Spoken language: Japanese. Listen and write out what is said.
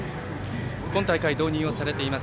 今大会、導入されています